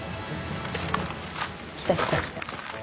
来た来た来た。